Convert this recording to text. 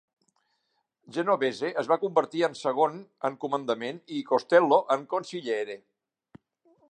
Genovese es va convertir en segon en comandament i Costello en "consigliere".